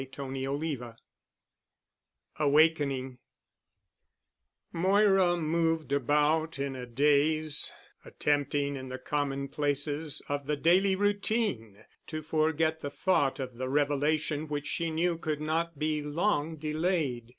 *CHAPTER VII* *AWAKENING* Moira moved about in a daze, attempting in the commonplaces of the daily routine to forget the thought of the revelation which she knew could not be long delayed.